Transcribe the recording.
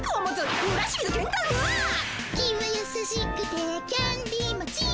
「気はやさしくてキャンディー持ち」